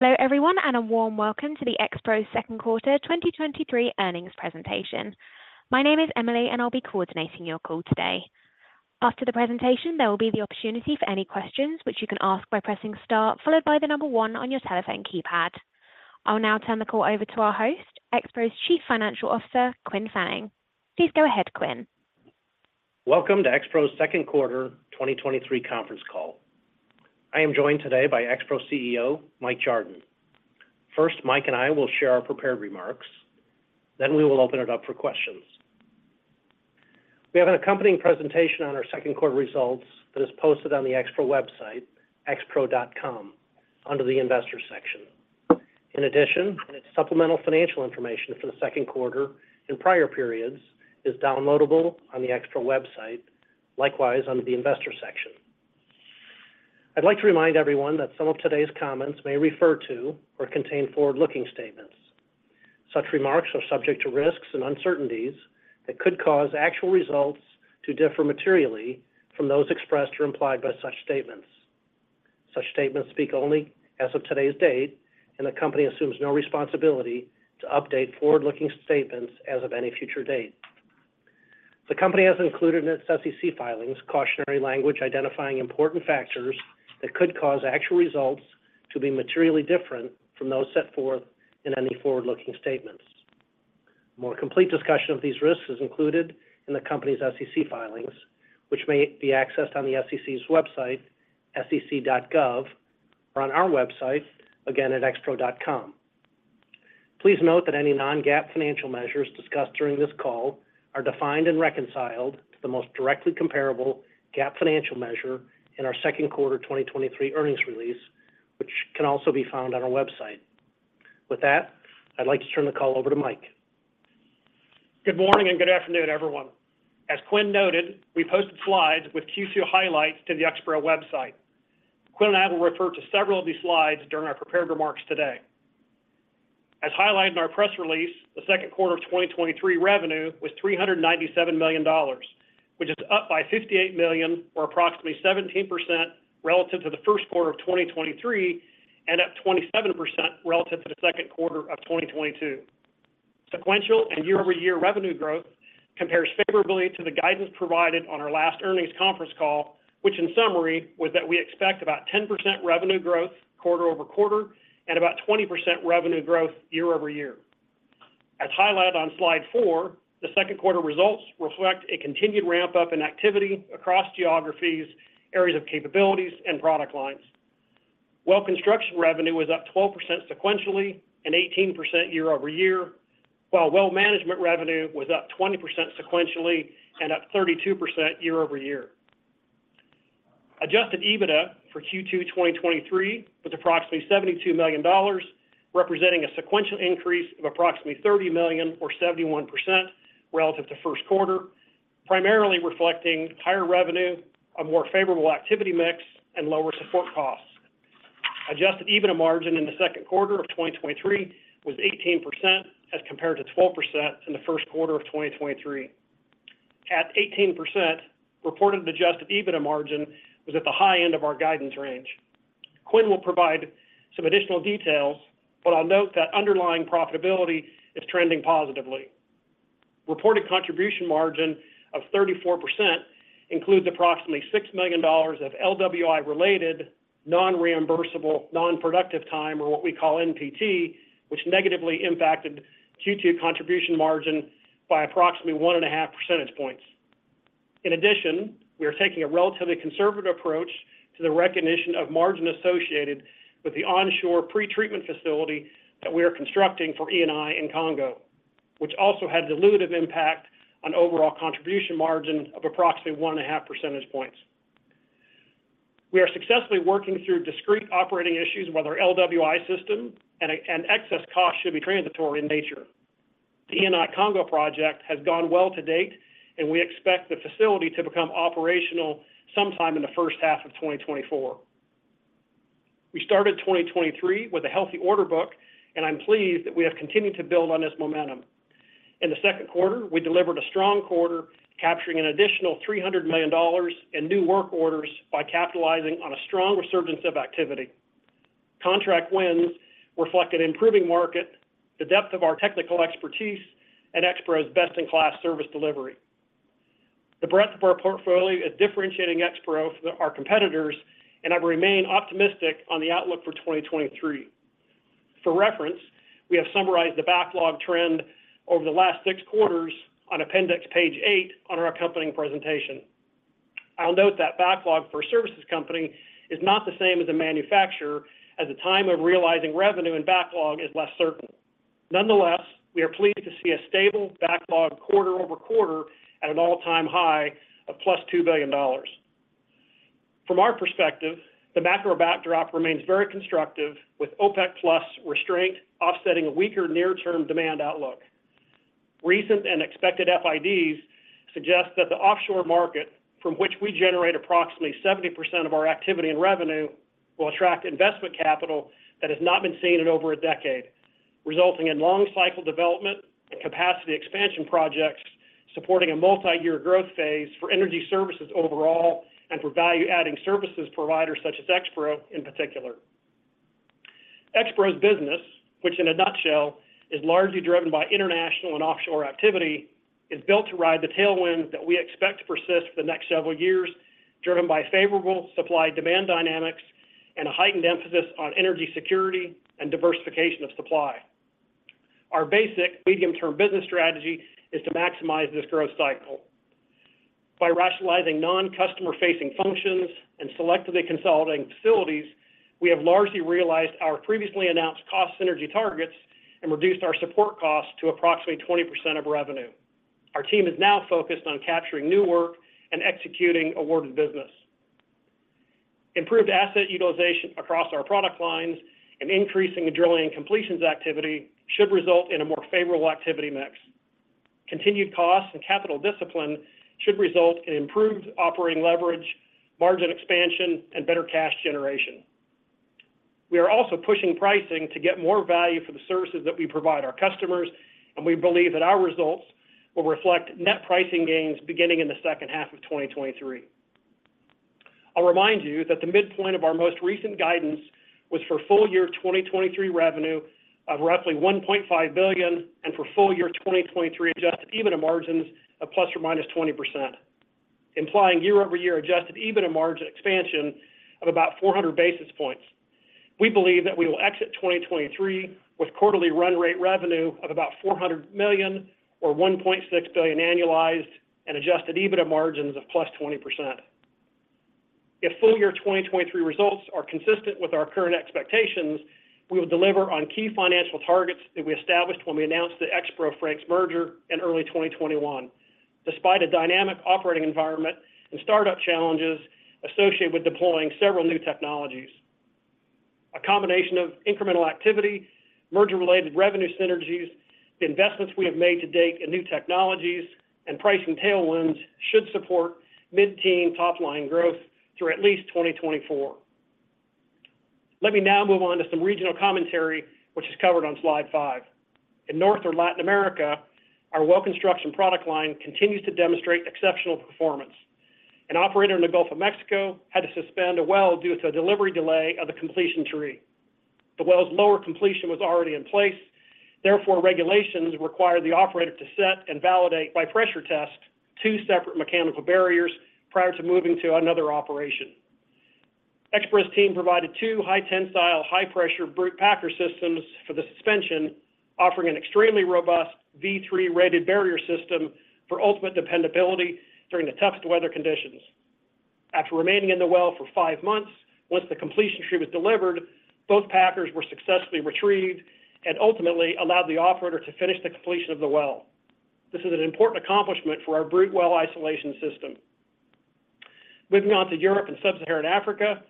Hello everyone, and a warm welcome to the Expro second quarter 2023 earnings presentation. My name is Emily, and I'll be coordinating your call today. After the presentation, there will be the opportunity for any questions, which you can ask by pressing star, followed by one on your telephone keypad. I'll now turn the call over to our host, Expro's Chief Financial Officer, Quinn Fanning. Please go ahead, Quinn. Welcome to Expro's second quarter 2023 conference call. I am joined today by Expro's CEO, Michael Jardon. First, Mike and I will share our prepared remarks, then we will open it up for questions. We have an accompanying presentation on our second quarter results that is posted on the Expro website, expro.com, under the Investors section. In addition, its supplemental financial information for the second quarter and prior periods is downloadable on the Expro website, likewise, under the Investor section. I'd like to remind everyone that some of today's comments may refer to or contain forward-looking statements. Such remarks are subject to risks and uncertainties that could cause actual results to differ materially from those expressed or implied by such statements. Such statements speak only as of today's date, and the company assumes no responsibility to update forward-looking statements as of any future date. The company has included in its SEC filings, cautionary language, identifying important factors that could cause actual results to be materially different from those set forth in any forward-looking statements. A more complete discussion of these risks is included in the company's SEC filings, which may be accessed on the SEC's website, sec.gov, or on our website, again at expro.com. Please note that any non-GAAP financial measures discussed during this call are defined and reconciled to the most directly comparable GAAP financial measure in our second quarter 2023 earnings release, which can also be found on our website. With that, I'd like to turn the call over to Michael. Good morning, good afternoon, everyone. As Quinn noted, we posted slides with Q2 highlights to the XPRO website. Quinn and I will refer to several of these slides during our prepared remarks today. As highlighted in our press release, the second quarter of 2023 revenue was $397 million, which is up by $58 million or approximately 17% relative to the first quarter of 2023, and up 27% relative to the second quarter of 2022. Sequential and year-over-year revenue growth compares favorably to the guidance provided on our last earnings conference call, which in summary, was that we expect about 10% revenue growth quarter-over-quarter and about 20% revenue growth year-over-year. As highlighted on slide four, the second quarter results reflect a continued ramp-up in activity across geographies, areas of capabilities, and product lines. Well Construction revenue was up 12% sequentially and 18% year-over-year, while Well Management revenue was up 20% sequentially and up 32% year-over-year. Adjusted EBITDA for Q2 2023 was approximately $72 million, representing a sequential increase of approximately $30 million or 71% relative to first quarter, primarily reflecting higher revenue, a more favorable activity mix, and lower support costs. Adjusted EBITDA margin in the second quarter of 2023 was 18%, as compared to 12% in the first quarter of 2023. At 18%, reported Adjusted EBITDA margin was at the high end of our guidance range. Quinn will provide some additional details, but I'll note that underlying profitability is trending positively. Reported contribution margin of 34% includes approximately $6 million of LWI-related, non-reimbursable, non-productive time or what we call NPT, which negatively impacted Q2 contribution margin by approximately 1.5 percentage points. We are taking a relatively conservative approach to the recognition of margin associated with the onshore pretreatment facility that we are constructing for Eni in Congo, which also had a dilutive impact on overall contribution margin of approximately 1.5 percentage points. We are successfully working through discrete operating issues with our LWI system, and excess costs should be transitory in nature. The Eni Congo project has gone well to date, and we expect the facility to become operational sometime in the first half of 2024. We started 2023 with a healthy order book, and I'm pleased that we have continued to build on this momentum. In the second quarter, we delivered a strong quarter, capturing an additional $300 million in new work orders by capitalizing on a strong resurgence of activity. Contract wins reflect an improving market, the depth of our technical expertise, and Expro's best-in-class service delivery. The breadth of our portfolio is differentiating Expro from our competitors, and I remain optimistic on the outlook for 2023. For reference, we have summarized the backlog trend over the last six quarters on appendix page eight on our accompanying presentation. I'll note that backlog for a services company is not the same as a manufacturer, as the time of realizing revenue and backlog is less certain. Nonetheless, we are pleased to see a stable backlog quarter-over-quarter at an all-time high of +$2 billion. From our perspective, the macro backdrop remains very constructive, with OPEC+ restraint offsetting a weaker near-term demand outlook. Recent and expected FIDs suggest that the offshore market, from which we generate approximately 70% of our activity and revenue, will attract investment capital that has not been seen in over a decade. Resulting in long cycle development and capacity expansion projects, supporting a multi-year growth phase for energy services overall and for value-adding services providers such as Expro, in particular. Expro's business, which in a nutshell, is largely driven by international and offshore activity, is built to ride the tailwinds that we expect to persist for the next several years, driven by favorable supply-demand dynamics and a heightened emphasis on energy security and diversification of supply. Our basic medium-term business strategy is to maximize this growth cycle. By rationalizing non-customer-facing functions and selectively consolidating facilities, we have largely realized our previously announced cost synergy targets and reduced our support costs to approximately 20% of revenue. Our team is now focused on capturing new work and executing awarded business. Improved asset utilization across our product lines and increasing the drilling and completions activity should result in a more favorable activity mix. Continued costs and capital discipline should result in improved operating leverage, margin expansion, and better cash generation. We are also pushing pricing to get more value for the services that we provide our customers, and we believe that our results will reflect net pricing gains beginning in the second half of 2023. I'll remind you that the midpoint of our most recent guidance was for full year 2023 revenue of roughly $1.5 billion, and for full year 2023 Adjusted EBITDA margins of ±20%, implying year-over-year Adjusted EBITDA margin expansion of about 400 basis points. We believe that we will exit 2023 with quarterly run rate revenue of about $400 million or $1.6 billion annualized and Adjusted EBITDA margins of +20%. If full year 2023 results are consistent with our current expectations, we will deliver on key financial targets that we established when we announced the Expro Frank's International merger in early 2021, despite a dynamic operating environment and startup challenges associated with deploying several new technologies. A combination of incremental activity, merger-related revenue synergies, the investments we have made to date in new technologies, and pricing tailwinds should support mid-teen top-line growth through at least 2024. Let me now move on to some regional commentary, which is covered on slide five. In North or Latin America, our Well Construction product line continues to demonstrate exceptional performance. An operator in the Gulf of Mexico had to suspend a well due to a delivery delay of the completion tree. The well's lower completion was already in place, therefore, regulations required the operator to set and validate by pressure test, two separate mechanical barriers prior to moving to another operation. Expro's team provided two high-tensile, high-pressure BRUTE packer systems for the suspension, offering an extremely robust V3-rated barrier system for ultimate dependability during the toughest weather conditions. After remaining in the well for five months, once the completion tree was delivered, both packers were successfully retrieved and ultimately allowed the operator to finish the completion of the well. This is an important accomplishment for our BRUTE well isolation system. Moving on to Europe and Sub-Saharan Africa,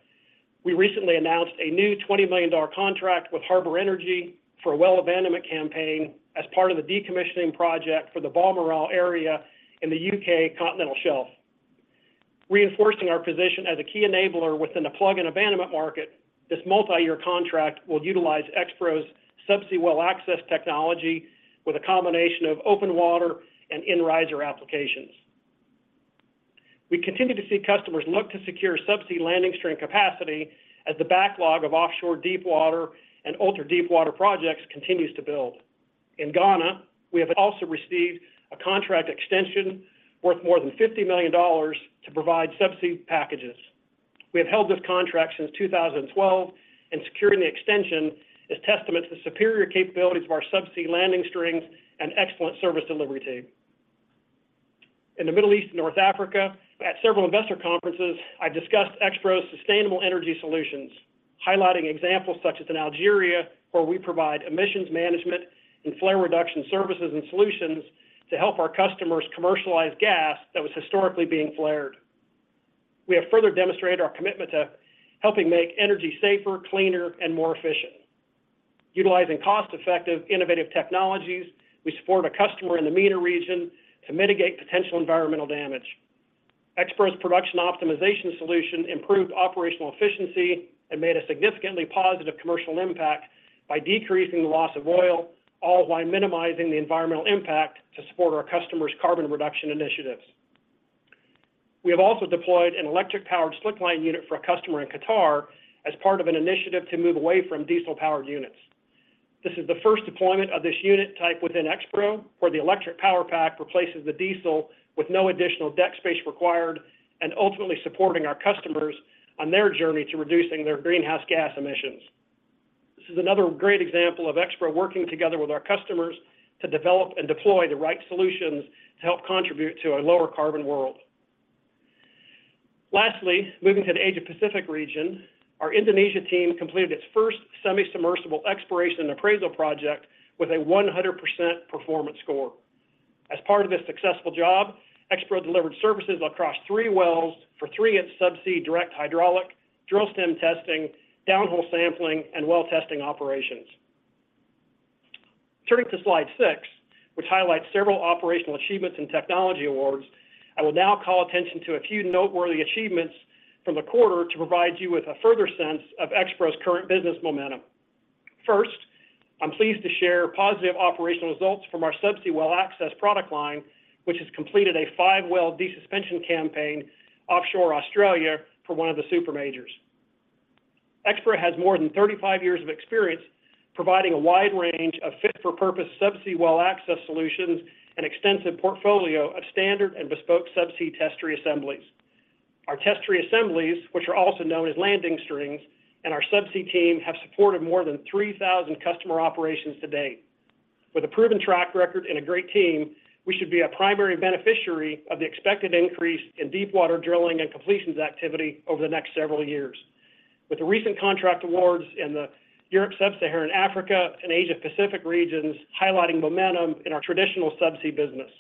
we recently announced a new $20 million contract with Harbour Energy for a well abandonment campaign as part of the decommissioning project for the Balmoral area in the U.K. continental shelf. Reinforcing our position as a key enabler within the plug and abandonment market, this multi-year contract will utilize Expro's subsea well access technology with a combination of open water and in-riser applications. We continue to see customers look to secure subsea landing string capacity as the backlog of offshore deepwater and ultra-deepwater projects continues to build. In Ghana, we have also received a contract extension worth more than $50 million to provide subsea packages. Securing the extension is testament to the superior capabilities of our subsea landing strings and excellent service delivery team. In the Middle East and North Africa, at several investor conferences, I discussed Expro's sustainable energy solutions, highlighting examples such as in Algeria, where we provide emissions management and flare reduction services and solutions to help our customers commercialize gas that was historically being flared. We have further demonstrated our commitment to helping make energy safer, cleaner, and more efficient. Utilizing cost-effective, innovative technologies, we support a customer in the MENA region to mitigate potential environmental damage. Expro's production optimization solution improved operational efficiency and made a significantly positive commercial impact by decreasing the loss of oil, all while minimizing the environmental impact to support our customers' carbon reduction initiatives. We have also deployed an electric-powered slickline unit for a customer in Qatar as part of an initiative to move away from diesel-powered units. This is the first deployment of this unit type within Expro, where the electric power pack replaces the diesel with no additional deck space required and ultimately supporting our customers on their journey to reducing their greenhouse gas emissions. This is another great example of Expro working together with our customers to develop and deploy the right solutions to help contribute to a lower carbon world. Lastly, moving to the Asia-Pacific region, our Indonesia team completed its first semi-submersible exploration and appraisal project with a 100% performance score. As part of this successful job, Expro delivered services across three wells for three of its subsea direct hydraulic, drill stem testing, downhole sampling, and well testing operations. Turning to slide six, which highlights several operational achievements and technology awards, I will now call attention to a few noteworthy achievements from the quarter to provide you with a further sense of Expro's current business momentum. First, I'm pleased to share positive operational results from our Subsea Well Access product line, which has completed a five-well de-suspension campaign offshore Australia for one of the super majors. Expro has more than 35 years of experience providing a wide range of fit-for-purpose subsea well access solutions and extensive portfolio of standard and bespoke subsea test tree assemblies. Our test tree assemblies, which are also known as landing strings, and our subsea team have supported more than 3,000 customer operations to date. With a proven track record and a great team, we should be a primary beneficiary of the expected increase in deepwater drilling and completions activity over the next several years. With the recent contract awards in the Europe, Sub-Saharan Africa, and Asia-Pacific regions highlighting momentum in our traditional subsea business.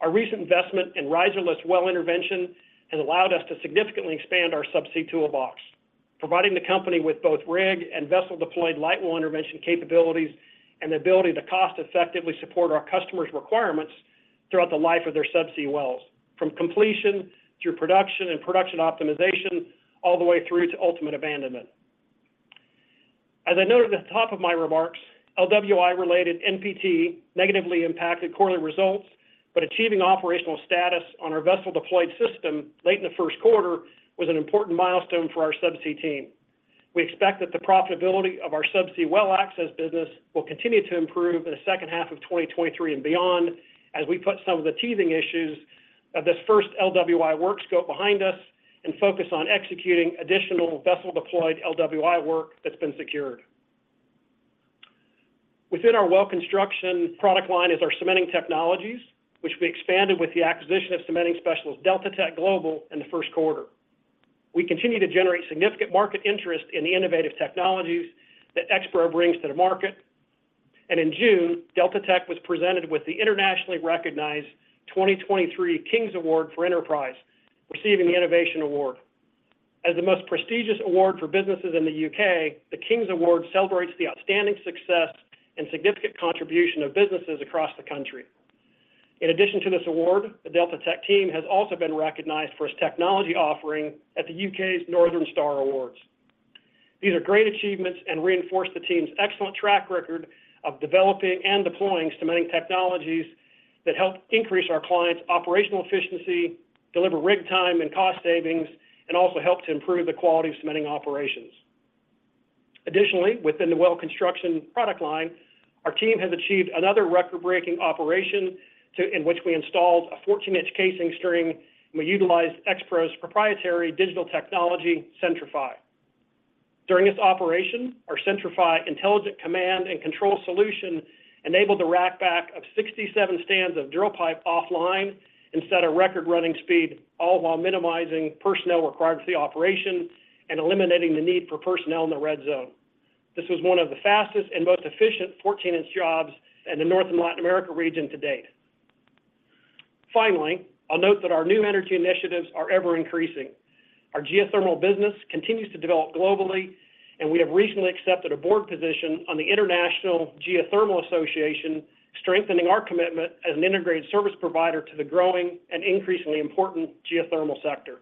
Our recent investment in riserless well intervention has allowed us to significantly expand our subsea toolbox, providing the company with both rig and vessel-deployed light well intervention capabilities and the ability to cost-effectively support our customers' requirements throughout the life of their subsea wells, from completion through production and production optimization, all the way through to ultimate abandonment. As I noted at the top of my remarks, LWI-related NPT negatively impacted quarterly results, but achieving operational status on our vessel-deployed system late in the first quarter was an important milestone for our subsea team. We expect that the profitability of our Subsea Well Access business will continue to improve in the second half of 2023 and beyond, as we put some of the teething issues of this first LWI work scope behind us and focus on executing additional vessel-deployed LWI work that's been secured. Within our Well Construction product line is our cementing technologies, which we expanded with the acquisition of cementing specialist DeltaTek Global in the first quarter. In June, DeltaTek was presented with the internationally recognized 2023 King's Award for Enterprise, receiving the Innovation Award. As the most prestigious award for businesses in the U.K., the King's Award celebrates the outstanding success and significant contribution of businesses across the country. In addition to this award, the DeltaTek team has also been recognized for its technology offering at the UK's Northern Star Awards. These are great achievements and reinforce the team's excellent track record of developing and deploying cementing technologies that help increase our clients' operational efficiency, deliver rig time and cost savings, and also help to improve the quality of cementing operations. Additionally, within the Well Construction product line, our team has achieved another record-breaking operation in which we installed a 14-inch casing string, and we utilized Expro's proprietary digital technology, Centi-FI. During this operation, our Centi-FI intelligent command and control solution enabled the rack back of 67 stands of drill pipe offline and set a record-running speed, all while minimizing personnel required for the operation and eliminating the need for personnel in the red zone. This was one of the fastest and most efficient 14-inch jobs in the North and Latin America region to date. I'll note that our new energy initiatives are ever-increasing. Our geothermal business continues to develop globally, and we have recently accepted a board position on the International Geothermal Association, strengthening our commitment as an integrated service provider to the growing and increasingly important geothermal sector.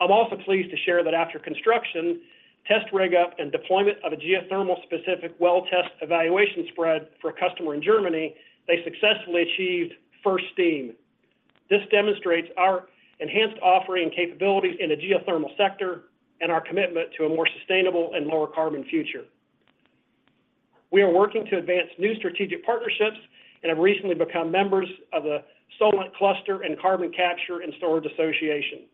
I'm also pleased to share that after construction, test rig up, and deployment of a geothermal-specific well test evaluation spread for a customer in Germany, they successfully achieved first steam. This demonstrates our enhanced offering capabilities in the geothermal sector and our commitment to a more sustainable and lower carbon future. We are working to advance new strategic partnerships and have recently become members of The Solent Cluster and Carbon Capture and Storage Association.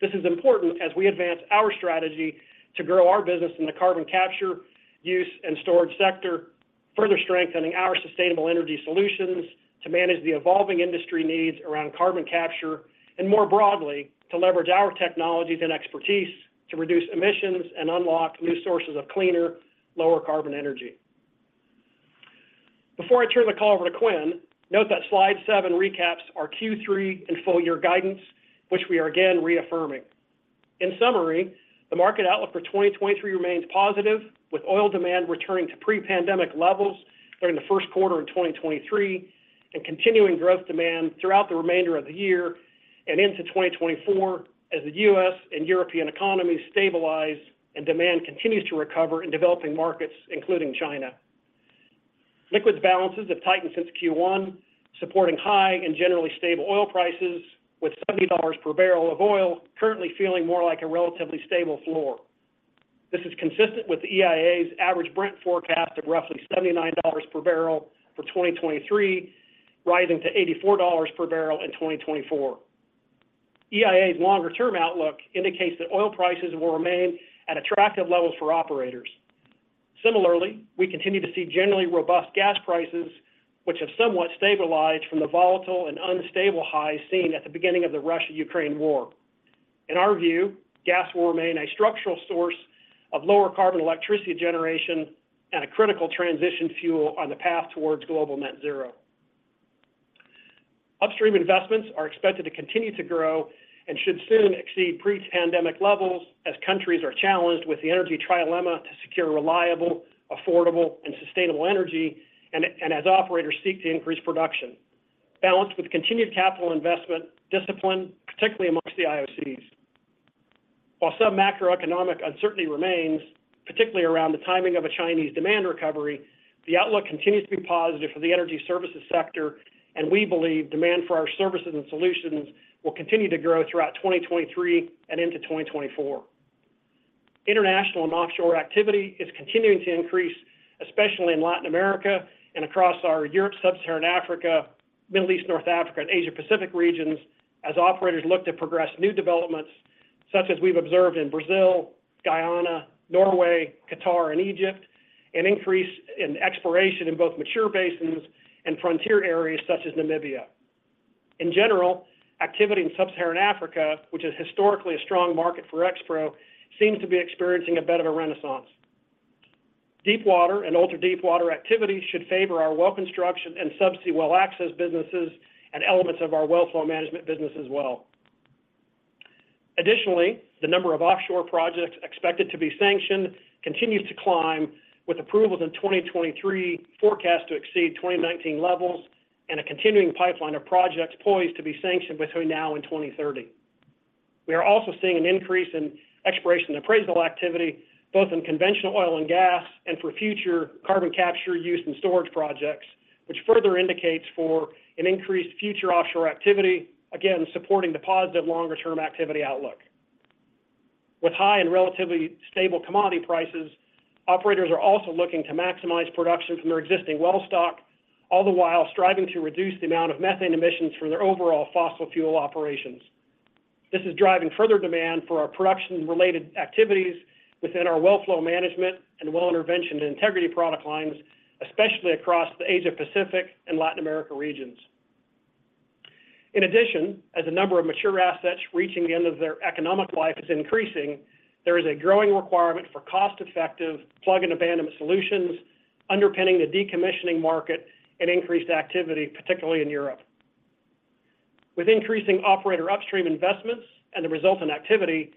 This is important as we advance our strategy to grow our business in the carbon capture, use, and storage sector, further strengthening our sustainable energy solutions to manage the evolving industry needs around carbon capture, and more broadly, to leverage our technologies and expertise to reduce emissions and unlock new sources of cleaner, lower carbon energy. Before I turn the call over to Quinn, note that slide seven recaps our Q3 and full year guidance, which we are again reaffirming. In summary, the market outlook for 2023 remains positive, with oil demand returning to pre-pandemic levels during the 1st quarter of 2023 and continuing growth demand throughout the remainder of the year and into 2024, as the U.S. and European economies stabilize and demand continues to recover in developing markets, including China. Liquids balances have tightened since Q1, supporting high and generally stable oil prices, with $70 per barrel of oil currently feeling more like a relatively stable floor. This is consistent with the EIA's average Brent forecast of roughly $79 per barrel for 2023, rising to $84 per barrel in 2024. EIA's longer-term outlook indicates that oil prices will remain at attractive levels for operators. Similarly, we continue to see generally robust gas prices, which have somewhat stabilized from the volatile and unstable highs seen at the beginning of the Russia-Ukraine war. In our view, gas will remain a structural source of lower carbon electricity generation and a critical transition fuel on the path towards global net zero. Upstream investments are expected to continue to grow and should soon exceed pre-pandemic levels as countries are challenged with the energy trilemma to secure reliable, affordable, and sustainable energy, and as operators seek to increase production. Balanced with continued capital investment discipline, particularly amongst the IOCs. While some macroeconomic uncertainty remains, particularly around the timing of a Chinese demand recovery, the outlook continues to be positive for the energy services sector, and we believe demand for our services and solutions will continue to grow throughout 2023 and into 2024. International and offshore activity is continuing to increase, especially in Latin America and across our Europe, Sub-Saharan Africa, Middle East, North Africa, and Asia Pacific regions, as operators look to progress new developments, such as we've observed in Brazil, Guyana, Norway, Qatar, and Egypt, an increase in exploration in both mature basins and frontier areas such as Namibia. In general, activity in Sub-Saharan Africa, which is historically a strong market for Expro, seems to be experiencing a bit of a renaissance. Deep water and ultra-deep water activities should favor our Well Construction and Subsea Well Access businesses and elements of our Well Flow Management business as well. Additionally, the number of offshore projects expected to be sanctioned continues to climb, with approvals in 2023 forecast to exceed 2019 levels and a continuing pipeline of projects poised to be sanctioned between now and 2030. We are also seeing an increase in exploration and appraisal activity, both in conventional oil and gas and for future carbon capture use and storage projects, which further indicates for an increased future offshore activity, again, supporting the positive longer-term activity outlook. With high and relatively stable commodity prices, operators are also looking to maximize production from their existing well stock, all the while striving to reduce the amount of methane emissions from their overall fossil fuel operations. This is driving further demand for our production-related activities within our well flow management and Well Intervention and Integrity product lines, especially across the Asia Pacific and Latin America regions. In addition, as the number of mature assets reaching the end of their economic life is increasing, there is a growing requirement for cost-effective plug-and-abandon solutions, underpinning the decommissioning market and increased activity, particularly in Europe. With increasing operator upstream investments and the resulting activity,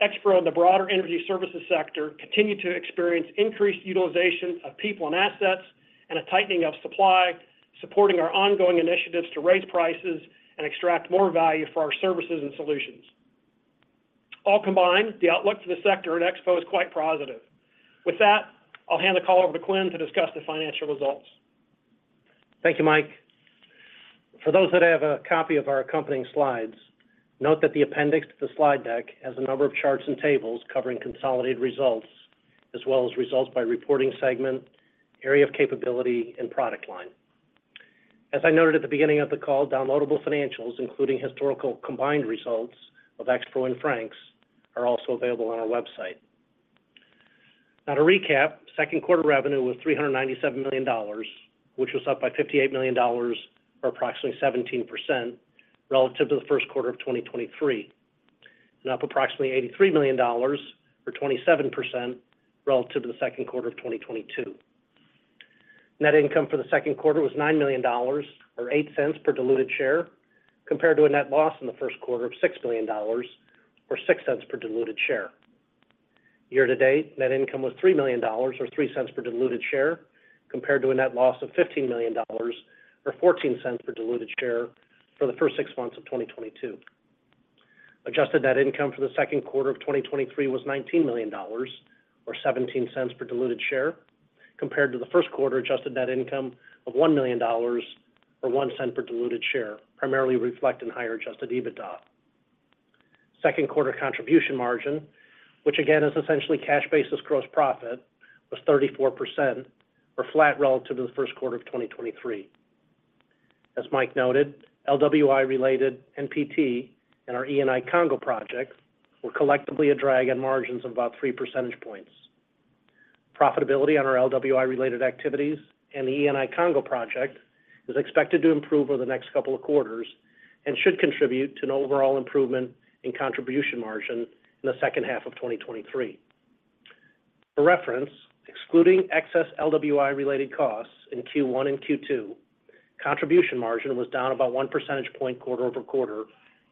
Expro and the broader energy services sector continue to experience increased utilization of people and assets and a tightening of supply, supporting our ongoing initiatives to raise prices and extract more value for our services and solutions. All combined, the outlook for the sector at Expro is quite positive. With that, I'll hand the call over to Quinn to discuss the financial results. Thank you, Michael. For those that have a copy of our accompanying slides, note that the appendix to the slide deck has a number of charts and tables covering consolidated results, as well as results by reporting segment, area of capability, and product line. As I noted at the beginning of the call, downloadable financials, including historical combined results of Expro and Frank's, are also available on our website. To recap, second quarter revenue was $397 million, which was up by $58 million, or approximately 17%, relative to the first quarter of 2023, and up approximately $83 million, or 27%, relative to the second quarter of 2022. Net income for the second quarter was $9 million, or $0.08 per diluted share, compared to a net loss in the first quarter of $6 million, or $0.06 per diluted share. Year to date, net income was $3 million, or $0.03 per diluted share, compared to a net loss of $15 million, or $0.14 per diluted share, for the first six months of 2022. Adjusted net income for the second quarter of 2023 was $19 million, or $0.17 per diluted share, compared to the first quarter adjusted net income of $1 million, or $0.01 per diluted share, primarily reflecting higher Adjusted EBITDA. Second quarter contribution margin, which again is essentially cash basis gross profit, was 34% or flat relative to the first quarter of 2023. As Michael noted, LWI-related NPT and our Eni Congo project were collectively a drag on margins of about 3 percentage points. Profitability on our LWI-related activities and the Eni Congo project is expected to improve over the next couple of quarters and should contribute to an overall improvement in contribution margin in the second half of 2023. For reference, excluding excess LWI-related costs in Q1 and Q2, contribution margin was down about 1 percentage point quarter-over-quarter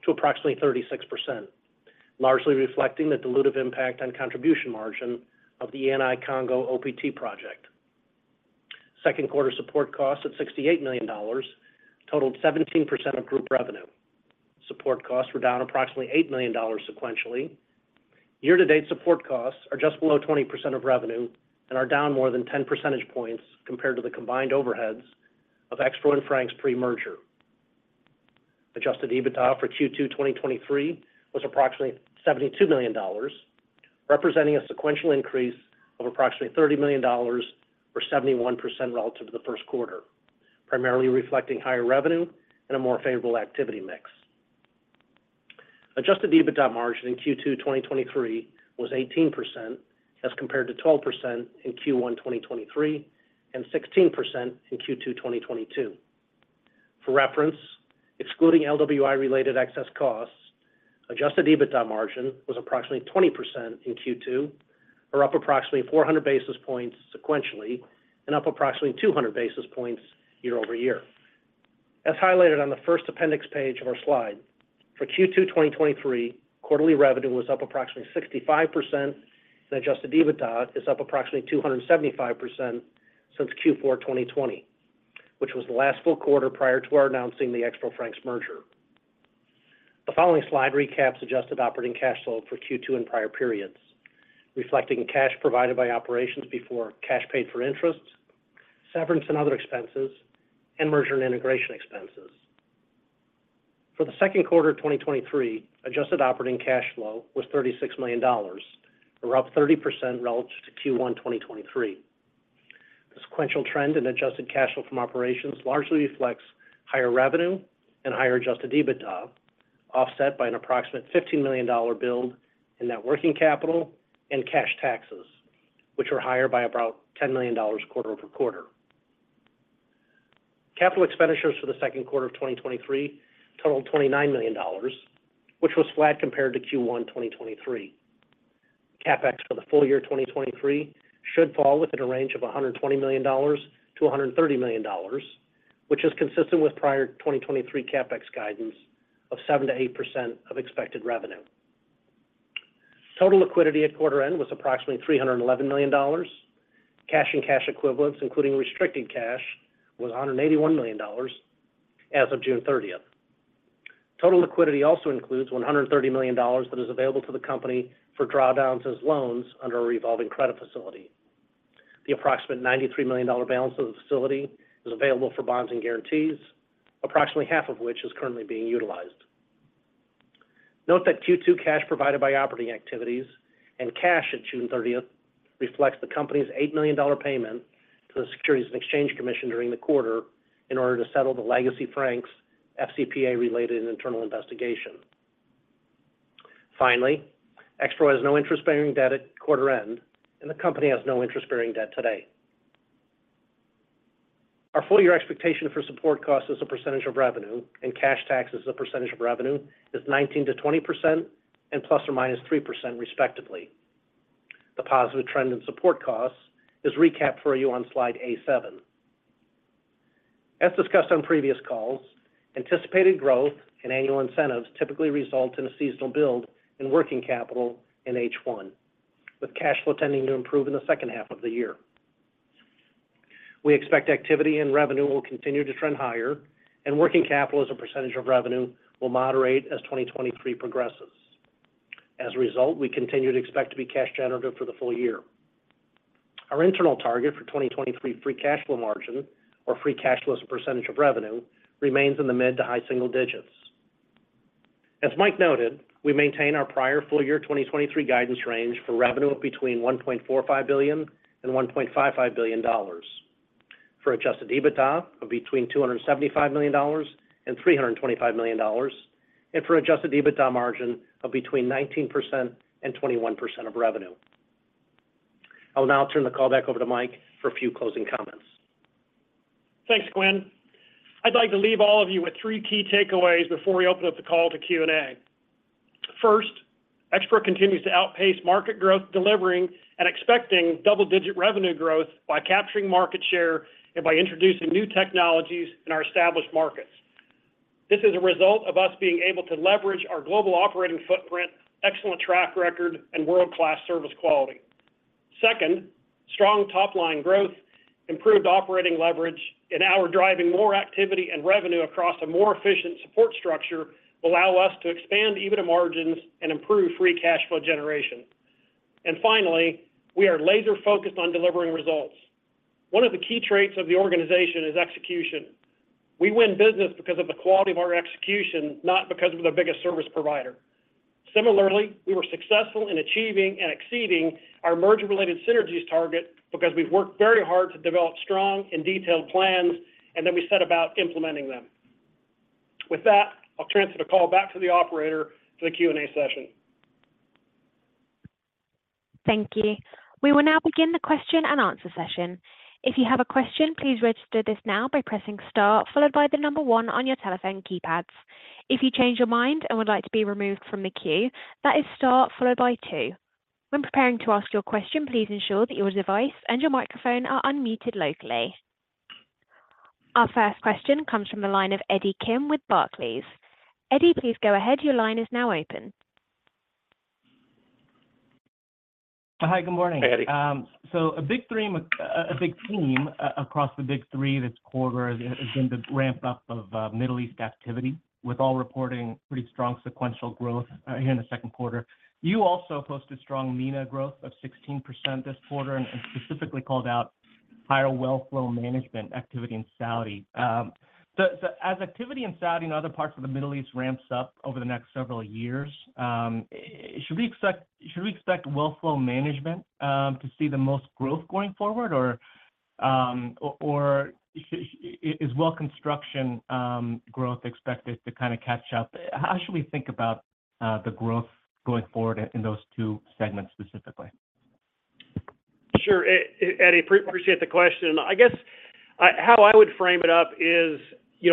to approximately 36%, largely reflecting the dilutive impact on contribution margin of the Eni Congo OPT project. Second quarter support costs at $68 million totaled 17% of group revenue. Support costs were down approximately $8 million sequentially. Year to date, support costs are just below 20% of revenue and are down more than 10 percentage points compared to the combined overheads of Expro and Frank's pre-merger. Adjusted EBITDA for Q2 2023 was approximately $72 million, representing a sequential increase of approximately $30 million or 71% relative to the first quarter, primarily reflecting higher revenue and a more favorable activity mix. Adjusted EBITDA margin in Q2 2023 was 18% as compared to 12% in Q1 2023 and 16% in Q2 2022. For reference, excluding LWI-related excess costs, Adjusted EBITDA margin was approximately 20% in Q2, or up approximately 400 basis points sequentially and up approximately 200 basis points year-over-year. As highlighted on the first appendix page of our slide, for Q2 2023, quarterly revenue was up approximately 65%, and Adjusted EBITDA is up approximately 275% since Q4 2020, which was the last full quarter prior to our announcing the Frank's International merger. The following slide recaps adjusted operating cash flow for Q2 and prior periods, reflecting cash provided by operations before cash paid for interest, severance and other expenses, and merger and integration expenses. For the second quarter of 2023, adjusted operating cash flow was $36 million, or up 30% relative to Q1, 2023. The sequential trend in adjusted cash flow from operations largely reflects higher revenue and higher Adjusted EBITDA, offset by an approximate $15 million build in net working capital and cash taxes, which were higher by about $10 million quarter-over-quarter. Capital expenditures for the second quarter of 2023 totaled $29 million, which was flat compared to Q1, 2023. CapEx for the full year, 2023, should fall within a range of $120 million-$130 million, which is consistent with prior 2023 CapEx guidance of 7%-8% of expected revenue. Total liquidity at quarter end was approximately $311 million. Cash and cash equivalents, including restricted cash, was $181 million as of June 30th. Total liquidity also includes $130 million that is available to the company for drawdowns as loans under a revolving credit facility. The approximate $93 million balance of the facility is available for bonds and guarantees, approximately half of which is currently being utilized. Note that Q2 cash provided by operating activities and cash at June 30th reflects the company's $8 million payment to the Securities and Exchange Commission during the quarter in order to settle the legacy Frank's FCPA-related internal investigation. Expro has no interest-bearing debt at quarter end. The company has no interest-bearing debt today. Our full year expectation for support costs as a percentage of revenue and cash taxes as a percentage of revenue is 19%-20% and ±3%, respectively. The positive trend in support costs is recapped for you on slide A-7. As discussed on previous calls, anticipated growth and annual incentives typically result in a seasonal build in working capital in H1, with cash flow tending to improve in the second half of the year. We expect activity and revenue will continue to trend higher, and working capital as a percentage of revenue will moderate as 2023 progresses. As a result, we continue to expect to be cash generative for the full year. Our internal target for 2023 free cash flow margin or free cash flow as a percentage of revenue, remains in the mid to high single digits. As Michael noted, we maintain our prior full year 2023 guidance range for revenue of between $1.45 billion and $1.55 billion, for Adjusted EBITDA of between $275 million and $325 million, and for Adjusted EBITDA margin of between 19% and 21% of revenue. I will now turn the call back over to Michael for a few closing comments. Thanks, Quinn. I'd like to leave all of you with three key takeaways before we open up the call to Q and A. First, Expro continues to outpace market growth, delivering and expecting double-digit revenue growth by capturing market share and by introducing new technologies in our established markets. This is a result of us being able to leverage our global operating footprint, excellent track record, and world-class service quality. Second, strong top-line growth, improved operating leverage, and now we're driving more activity and revenue across a more efficient support structure will allow us to expand EBITDA margins and improve free cash flow generation. Finally, we are laser-focused on delivering results. One of the key traits of the organization is execution. We win business because of the quality of our execution, not because we're the biggest service provider. Similarly, we were successful in achieving and exceeding our merger-related synergies target because we've worked very hard to develop strong and detailed plans, and then we set about implementing them. With that, I'll transfer the call back to the operator for the Q and A session. Thank you. We will now begin the question-and-answer session. If you have a question, please register this now by pressing star followed by one on your telephone keypads. If you change your mind and would like to be removed from the queue, that is star followed by two. When preparing to ask your question, please ensure that your device and your microphone are unmuted locally. Our first question comes from the line of Eddie Kim with Barclays. Eddie, please go ahead. Your line is now open. Hi, good morning. Hey, Eddie. A big theme across the big three this quarter has been the ramp-up of Middle East activity, with all reporting pretty strong sequential growth here in the second quarter. You also posted strong MENA growth of 16% this quarter, and specifically called out higher well flow management activity in Saudi. As activity in Saudi and other parts of the Middle East ramps up over the next several years, should we expect well flow management to see the most growth going forward, or is well construction growth expected to kind of catch up? How should we think about the growth going forward in those two segments specifically? Sure, Eddie, appreciate the question. I guess, how I would frame it up is, you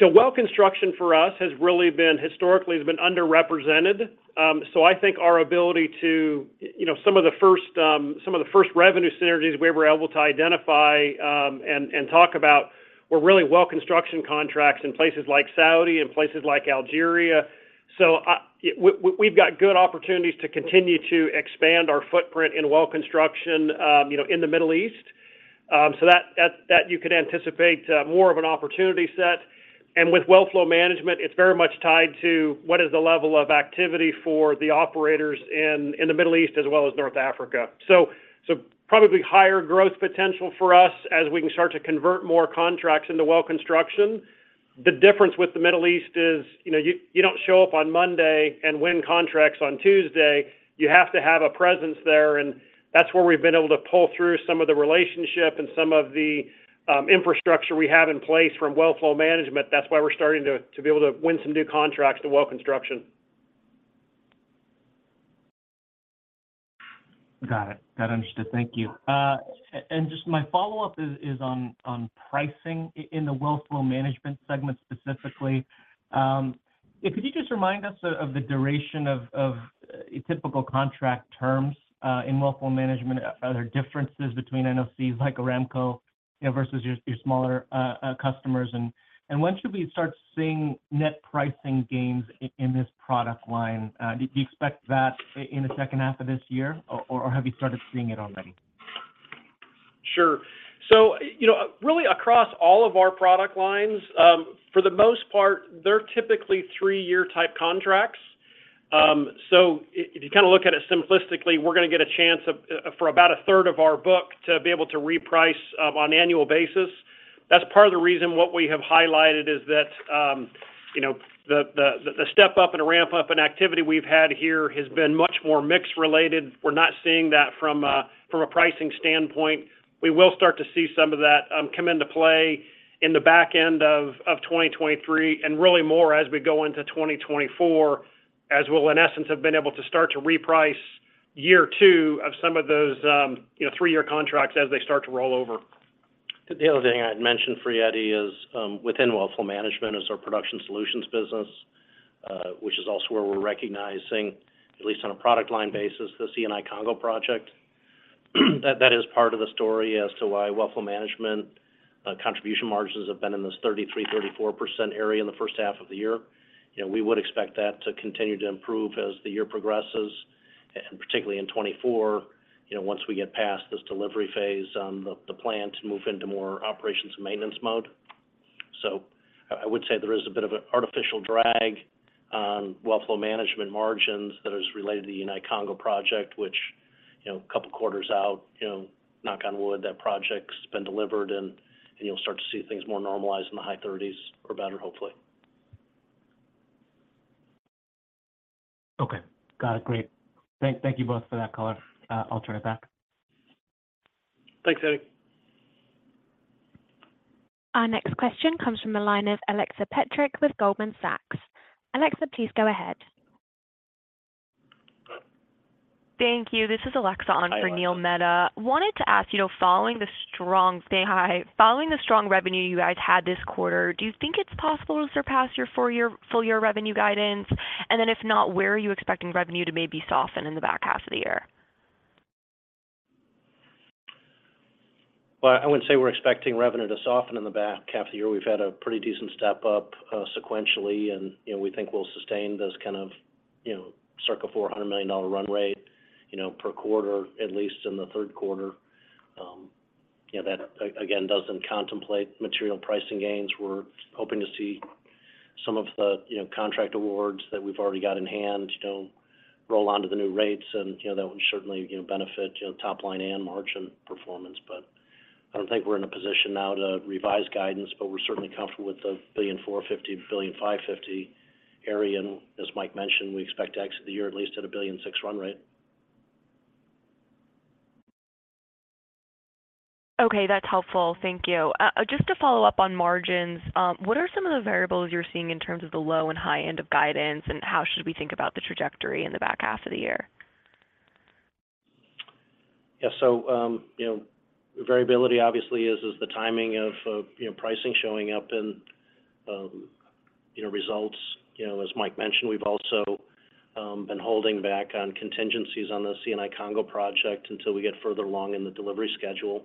know, Well Construction for us has really been, historically, has been underrepresented. I think our ability to, you know, some of the first, some of the first revenue synergies we were able to identify and talk about were really Well Construction contracts in places like Saudi and places like Algeria. We've got good opportunities to continue to expand our footprint in Well Construction, you know, in the Middle East. That you could anticipate more of an opportunity set. With Well Flow Management, it's very much tied to what is the level of activity for the operators in the Middle East as well as North Africa. Probably higher growth potential for us as we can start to convert more contracts into Well Construction. The difference with the Middle East is, you know, you, you don't show up on Monday and win contracts on Tuesday. You have to have a presence there, and that's where we've been able to pull through some of the relationship and some of the infrastructure we have in place from Well Flow Management. We're starting to be able to win some new contracts to Well Construction. Got it. Got it, understood. Thank you. Just my follow-up is, is on, on pricing in the Well Flow Management segment specifically. Could you just remind us of the duration of typical contract terms in Well Flow Management? Are there differences between NOCs like Aramco, you know, versus your, your smaller customers? When should we start seeing net pricing gains in this product line? Do you expect that in the second half of this year, or have you started seeing it already? Sure. You know, really across all of our product lines, for the most part, they're typically three year type contracts. So if you kind of look at it simplistically, we're gonna get a chance of for about a third of our book to be able to reprice on annual basis. That's part of the reason what we have highlighted is that, you know, the step up and ramp up in activity we've had here has been much more mix related. We're not seeing that from a pricing standpoint. We will start to see some of that come into play in the back end of 2023. Really more as we go into 2024, as we'll, in essence, have been able to start to reprice year two of some of those, you know, three-year contracts as they start to roll over. The other thing I'd mention for you, Eddie, is within well flow management is our Production Solutions business, which is also where we're recognizing, at least on a product line basis, the Eni Congo project. That is part of the story as to why well flow management contribution margins have been in this 33%-34% area in the first half of the year. You know, we would expect that to continue to improve as the year progresses, and particularly in 2024, you know, once we get past this delivery phase on the plan to move into more operations and maintenance mode. I, I would say there is a bit of an artificial drag on well flow management margins that is related to the Eni Congo project, which, you know, a couple quarters out, you know, knock on wood, that project's been delivered, and you'll start to see things more normalized in the high 30s or better, hopefully. Okay. Got it. Great. Thank you both for that color. I'll turn it back. Thanks, Eddie. Our next question comes from the line of Alexa Petrick with Goldman Sachs. Alexa, please go ahead. Thank you. This is Alexa. Hi, Alexa. On for Neil Mehta. Wanted to ask, you know, following the strong revenue you guys had this quarter, do you think it's possible to surpass your full year revenue guidance? If not, where are you expecting revenue to maybe soften in the back half of the year? Well, I wouldn't say we're expecting revenue to soften in the back half of the year. We've had a pretty decent step up sequentially, you know, we think we'll sustain this kind of, you know, circa $400 million run rate, you know, per quarter, at least in the third quarter. You know, that again, doesn't contemplate material pricing gains. We're hoping to see some of the, you know, contract awards that we've already got in hand, you know, roll onto the new rates and, you know, that would certainly, you know, benefit, you know, top line and margin performance. I don't think we're in a position now to revise guidance, but we're certainly comfortable with the $1.45 billion-$1.55 billion area. As Michael mentioned, we expect to exit the year at least at a $1.6 billion run rate. Okay, that's helpful. Thank you. Just to follow up on margins, what are some of the variables you're seeing in terms of the low and high end of guidance, and how should we think about the trajectory in the back half of the year? Yeah. You know, variability obviously is the timing of, you know, pricing showing up and, you know, results. You know, as Michael mentioned, we've also been holding back on contingencies on the Eni Congo project until we get further along in the delivery schedule.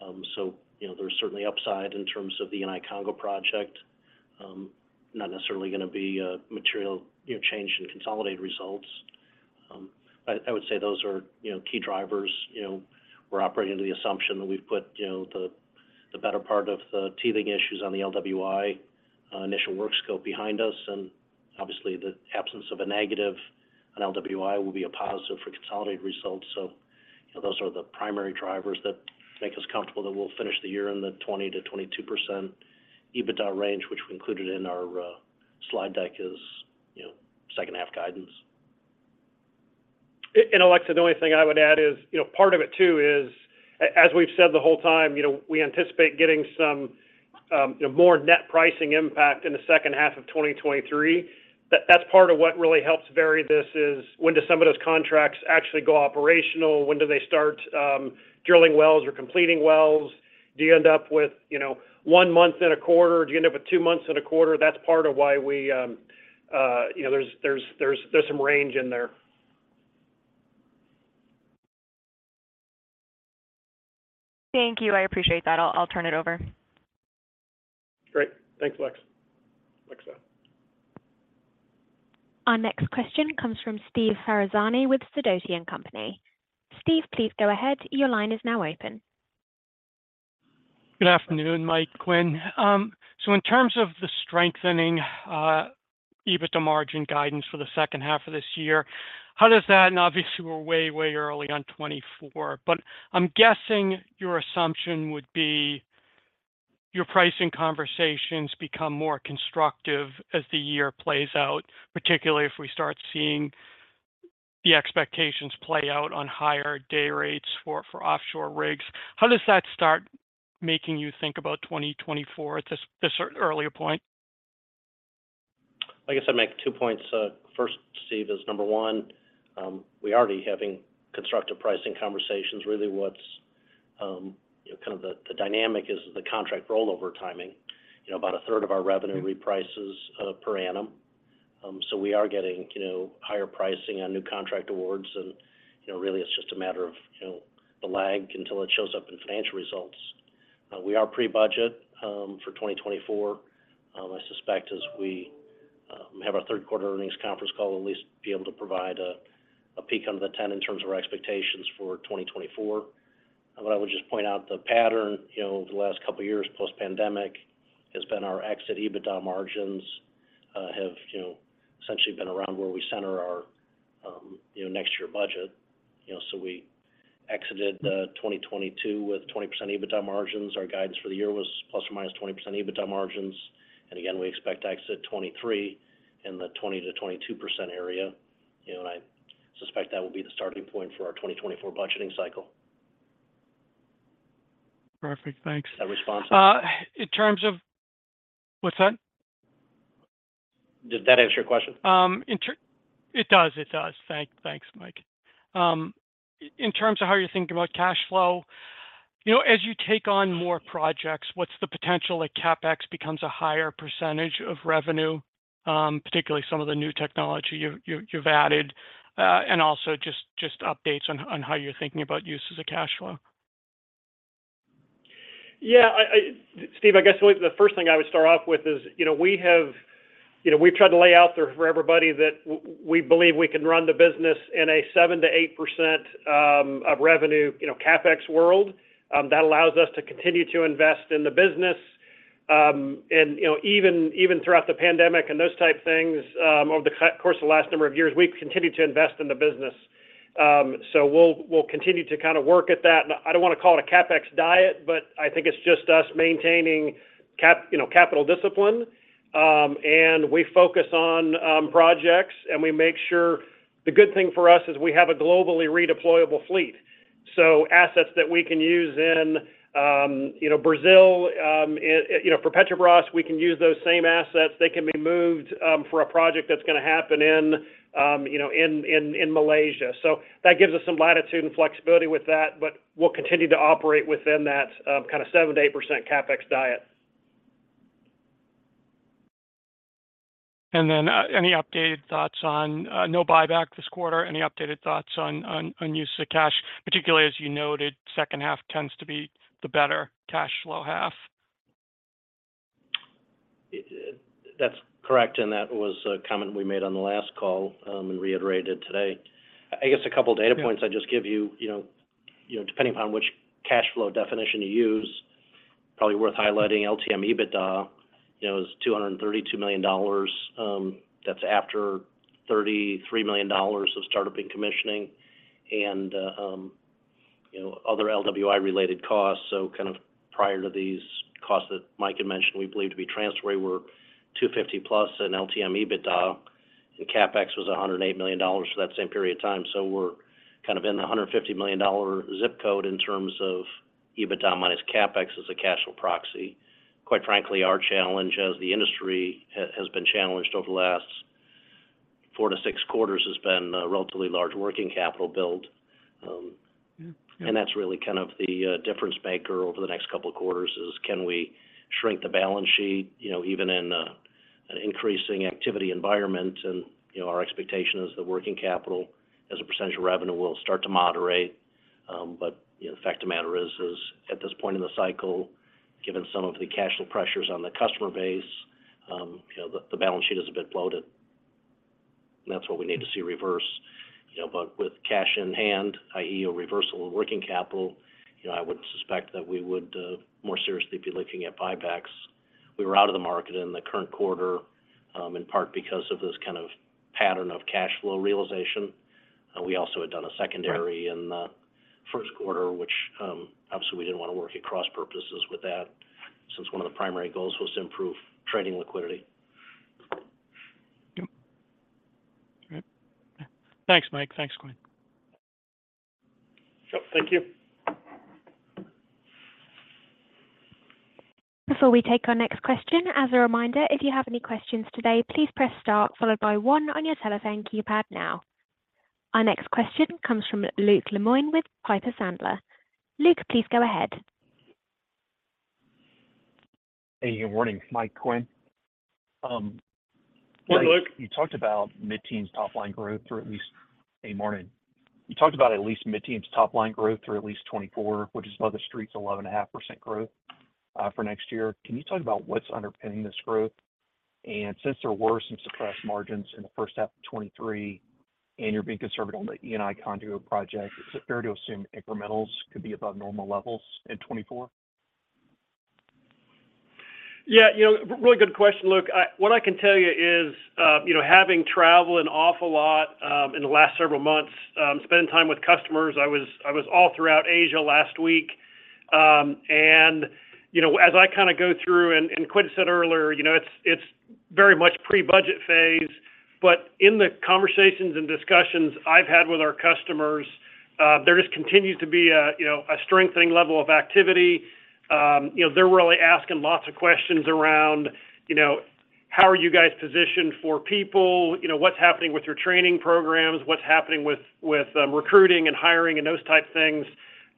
You know, there's certainly upside in terms of the Eni Congo project. Not necessarily gonna be a material, you know, change in consolidated results. I would say those are, you know, key drivers. You know, we're operating under the assumption that we've put, you know, the better part of the teething issues on the LWI initial work scope behind us, and obviously, the absence of a negative on LWI will be a positive for consolidated results. You know, those are the primary drivers that make us comfortable that we'll finish the year in the 20%-22% EBITDA range, which we included in our slide deck as, you know, second-half guidance. Alexa, the only thing I would add is, you know, part of it too is, as we've said the whole time, you know, we anticipate getting some, you know, more net pricing impact in the second half of 2023. That's part of what really helps vary this is, when do some of those contracts actually go operational? When do they start drilling wells or completing wells? Do you end up with, you know, one month in a quarter, or do you end up with two months in a quarter? That's part of why we, you know, there's some range in there. Thank you. I appreciate that. I'll turn it over. Great. Thanks, Alexa. Alexa. Our next question comes from Steve Ferazani with Sidoti & Company. Stephen, please go ahead. Your line is now open. Good afternoon, Michael, Quinn. In terms of the strengthening, EBITDA margin guidance for the second half of this year, obviously, we're way early on 2024, but I'm guessing your assumption would be your pricing conversations become more constructive as the year plays out, particularly if we start seeing the expectations play out on higher day rates for offshore rigs. How does that start making you think about 2024 at this earlier point? I guess I'd make two points. First, Stephen, is number one, we're already having constructive pricing conversations. Really, what's, you know, kind of the, the dynamic is the contract rollover timing. You know, about a third of our revenue reprices per annum. We are getting, you know, higher pricing on new contract awards and, you know, really it's just a matter of, you know, the lag until it shows up in financial results. We are pre-budget for 2024. I suspect as we have our third-quarter earnings conference call, at least be able to provide a, a peak under the tent in terms of our expectations for 2024. I would just point out the pattern, you know, over the last couple of years, post-pandemic, has been our exit EBITDA margins, have, you know, essentially been around where we center our, you know, next year budget. We exited 2022 with 20% EBITDA margins. Our guidance for the year was ±20% EBITDA margins. We expect to exit 2023 in the 20%-22% area. I suspect that will be the starting point for our 2024 budgeting cycle. Perfect. Thanks. That responsive? What's that? Did that answer your question? It does. It does. Thanks, Michael. In terms of how you're thinking about cash flow, you know, as you take on more projects, what's the potential that CapEx becomes a higher percentage of revenue, particularly some of the new technology you've added? And also just updates on how you're thinking about uses of cash flow? Yeah. Stephen, I guess the first thing I would start off with is, you know, we've tried to lay out there for everybody that we believe we can run the business in a 7%-8% of revenue, you know, CapEx world. That allows us to continue to invest in the business, you know, even throughout the pandemic and those type things, over the course of the last number of years, we've continued to invest in the business. We'll continue to kind of work at that. I don't want to call it a CapEx diet, I think it's just us maintaining, you know, capital discipline. We focus on projects, we make sure. The good thing for us is we have a globally redeployable fleet, so assets that we can use in, you know, Brazil, you know, for Petrobras, we can use those same assets. They can be moved for a project that's gonna happen in, you know, Malaysia. That gives us some latitude and flexibility with that, but we'll continue to operate within that, kinda 7% to 8% CapEx diet. Any updated thoughts on no buyback this quarter? Any updated thoughts on use of cash, particularly as you noted, second half tends to be the better cash flow half? That's correct, and that was a comment we made on the last call, reiterated today. I guess a couple of data points I'd just give you, you know, you know, depending on which cash flow definition you use, probably worth highlighting LTM EBITDA, you know, is $232 million. That's after $33 million of startup and commissioning and, you know, other LWI-related costs. So kind of prior to these costs that Michael had mentioned, we believe to be transitory, were 250+ in LTM EBITDA, and CapEx was $108 million for that same period of time. So we're kind of in the $150 million zip code in terms of EBITDA minus CapEx as a cash flow proxy. Quite frankly, our challenge, as the industry has been challenged over the last four to six quarters, has been a relatively large working capital build. Mm-hmm. Yeah. That's really kind of the difference maker over the next couple of quarters is, can we shrink the balance sheet, you know, even in an increasing activity environment? You know, our expectation is that working capital as a percentage of revenue will start to moderate. The fact of the matter is, is at this point in the cycle, given some of the cash flow pressures on the customer base, you know, the balance sheet is a bit bloated, and that's what we need to see reverse. With cash in hand, i.e., a reversal in working capital, you know, I would suspect that we would more seriously be looking at buybacks. We were out of the market in the current quarter, in part because of this kind of pattern of cash flow realization. We also had done a in the first quarter, which, obviously, we didn't want to work at cross-purposes with that, since one of the primary goals was to improve trading liquidity. All right. Thanks, Michael. Thanks, Quinn. Sure, thank you. Before we take our next question, as a reminder, if you have any questions today, please press star followed by one on your telephone keypad now. Our next question comes from Luke Lemoine with Piper Sandler. Luke, please go ahead. Hey, good morning, Michael, Quinn. Good morning, Luke. Hey, morning. You talked about at least mid-teens top-line growth through at least 2024, which is above the street's 11.5% growth for next year. Can you talk about what's underpinning this growth? Since there were some suppressed margins in the first half of 2023, and you're being conservative on the Eni Congo project, is it fair to assume incrementals could be above normal levels in 2024? Yeah, you know, really good question, Luke. What I can tell you is, you know, having traveled an awful lot in the last several months, spending time with customers, I was all throughout Asia last week. You know, as I kind of go through and Quinn said earlier, you know, it's very much pre-budget phase, but in the conversations and discussions I've had with our customers, there just continues to be a, you know, a strengthening level of activity. You know, they're really asking lots of questions around, you know, "How are you guys positioned for people? You know, what's happening with your training programs? What's happening with recruiting and hiring and those type things?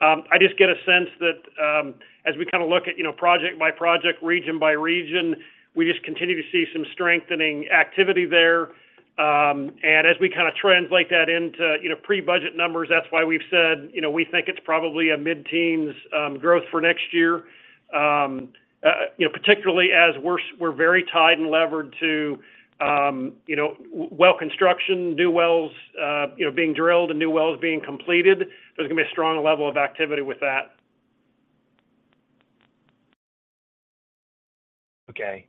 I just get a sense that, as we kind of look at, you know, project by project, region by region, we just continue to see some strengthening activity there. As we kind of translate that into, you know, pre-budget numbers, that's why we've said, you know, we think it's probably a mid-teens growth for next year. Particularly as we're very tied and levered to, you know, Well Construction, new wells, you know, being drilled and new wells being completed. There's going to be a strong level of activity with that. Okay.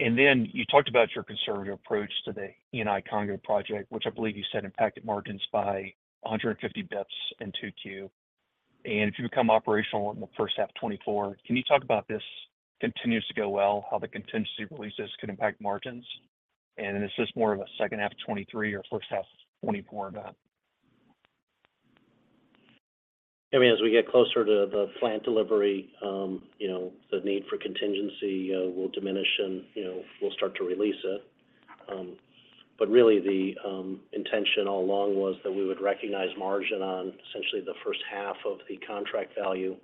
You talked about your conservative approach to the Eni Congo project, which I believe you said impacted margins by 150 basis points in 2Q. If you become operational in the first half of 2024, can you talk about this continues to go well, how the contingency releases could impact margins? Is this more of a second half of 2023 or first half of 2024 event? I mean, as we get closer to the plant delivery, you know, the need for contingency will diminish and, you know, we'll start to release it. Really the intention all along was that we would recognize margin on essentially the first half of the contract value,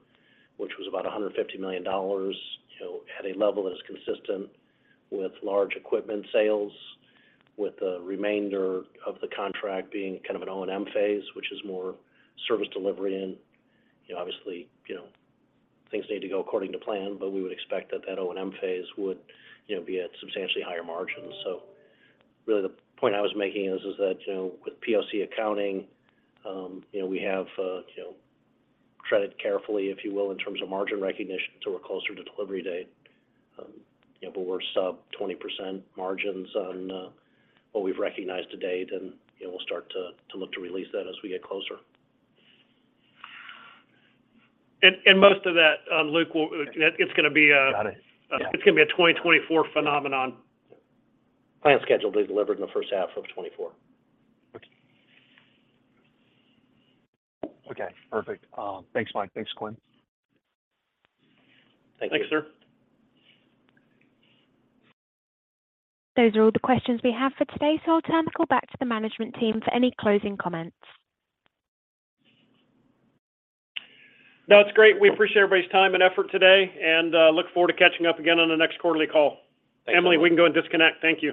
which was about $150 million, you know, at a level that is consistent with large equipment sales, with the remainder of the contract being kind of an O&M phase, which is more service delivery. You know, obviously, you know, things need to go according to plan, but we would expect that that O&M phase would, you know, be at substantially higher margins. Really the point I was making is, is that, you know, with POC accounting, you know, we have, you know, treaded carefully, if you will, in terms of margin recognition till we're closer to delivery date. You know, but we're sub 20% margins on what we've recognized to date, and, you know, we'll start to look to release that as we get closer. Most of that, Luke, it's gonna be. Got it. It's gonna be a 2024 phenomenon. Plan scheduled to be delivered in the first half of 2024. Okay. Okay, perfect. Thanks, Michael. Thanks, Quinn. Thank you. Thanks, sir. Those are all the questions we have for today, so I'll turn it back to the management team for any closing comments. No, it's great. We appreciate everybody's time and effort today and look forward to catching up again on the next quarterly call. Thanks, everyone. Emily, we can go and disconnect. Thank you.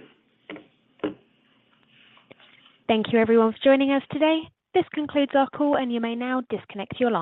Thank you everyone for joining us today. This concludes our call. You may now disconnect your line.